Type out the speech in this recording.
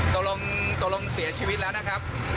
ตกลงตกลงเสียชีวิตแล้วนะครับ